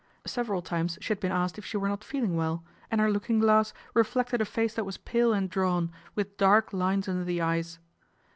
Several times she had been asked if she were not feeling well, anO her looking glass reflected a face that was pale and drawn, with dark lines under the eyes.